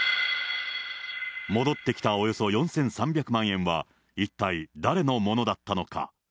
戻ってきたおよそ４３００万円は一体誰のものだったのか。